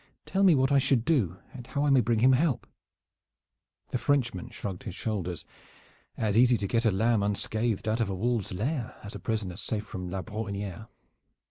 Tell me what I should do and how I may bring him help." The Frenchman shrugged his shoulders. "As easy to get a lamb unscathed out of a wolves' lair as a prisoner safe from La Brohiniere.